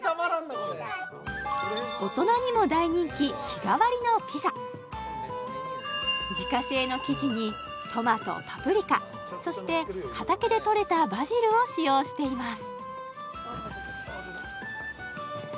これ大人にも大人気自家製の生地にトマトパプリカそして畑でとれたバジルを使用しています